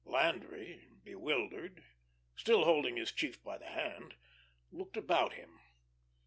Landry, bewildered, still holding his chief by the hand, looked about him.